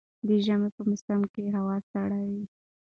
د ژمي په موسم کي هوا سړه وي